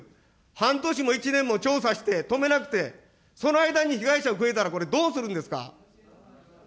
半年も１年も調査して、止めなくて、その間に被害者が増えたら、これどうするんですか。